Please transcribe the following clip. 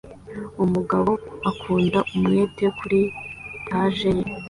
Umugabo akunda umwete kuri POTAGE ye